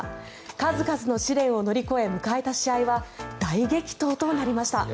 数々の試練を乗り越え迎えた試合は大激闘となりました。